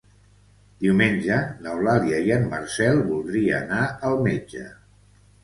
Diumenge n'Eulàlia i en Marcel voldria anar al metge.